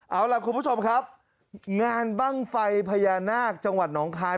เอาล่ะคุณผู้ชมครับงานบ้างไฟพญานาคจังหวัดหนองคาย